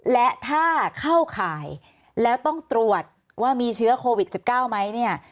และถ้าเข้าข่ายแล้วต้องตรวจว่ามีเชื้อโควิด๑๙ไหมเนี่ย